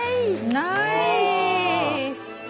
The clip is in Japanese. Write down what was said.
ナイス！